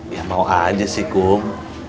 ya mau aja sih kum